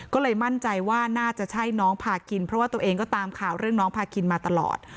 ก็เลยมั่นใจว่าน่าจะใช่น้องพากินเพราะว่าตัวเองก็ตามข่าวเรื่องน้องพาคินมาตลอด